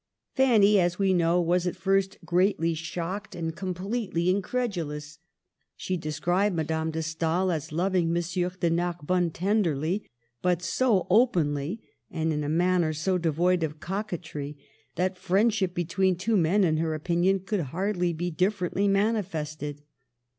Fanny, as we know, was at first greatly shocked, and completely incredulous. She de scribed Madame de Stael as loving M. de Nar bonne tenderly, but so openly, and in a manner so devoid of coquetry, that friendship between two men, in her opinion, could hardly be dif ferently manifested.